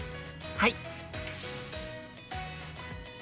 はい。